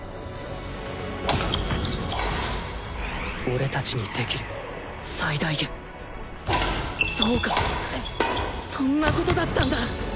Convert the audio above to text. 俺達にできる最大限そうかそんなことだったんだ